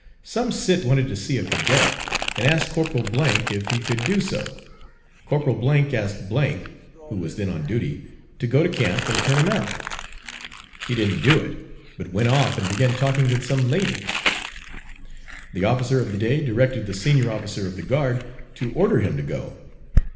"Some cit wanted to see a cadet and asked C if he could do so. C asked , who was then on duty, to go to camp and turn him out. He didn't do it, but went off and began talking with some ladies. The officer of the day directed the senior officer of the guard to order him to go.